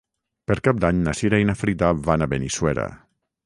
Per Cap d'Any na Cira i na Frida van a Benissuera.